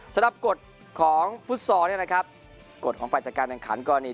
สำหรับกฎของฟุตซอร์นะครับกฎของฝ่ายจัดการแบ่งขันกว่านี้